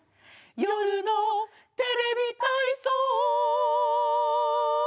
「夜のテレビ体操」。